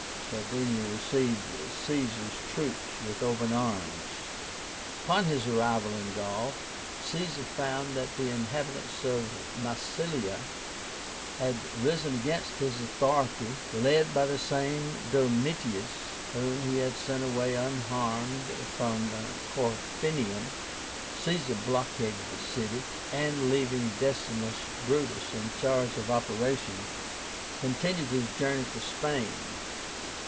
Sardinia received Caesar's troops with open arms. Upon his arrival in Gaul, Caesar found that the inhabitants of Massilia had risen against his authority, led by the same Domitius whom he had sent away unharmed from Corfinium. Caesar blockaded the city, and, leaving Decimus Brutus in charge of operations, continued his journey to Spain.